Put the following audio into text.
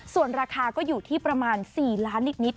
ส่วนราคาก็อยู่ที่ประมาณ๔ล้านนิด